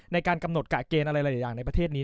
ในการกำหนดกะเกณฑ์อะไรหลายอย่างในประเทศนี้